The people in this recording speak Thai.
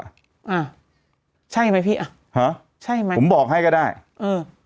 อ่าใช่ไหมพี่อ่ะฮะใช่ไหมผมบอกให้ก็ได้เออ